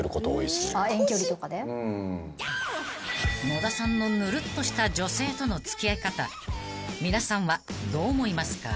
［野田さんのぬるっとした女性との付き合い方皆さんはどう思いますか？］